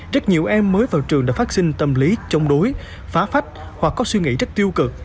rất nhiều em mới vào trường đã phát sinh tâm lý chống đối phá phách hoặc có suy nghĩ rất tiêu cực